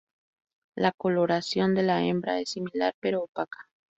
La coloración de la hembra es similar pero opaca.